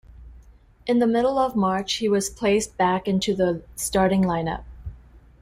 In the middle of March, he was placed back into the starting lineup.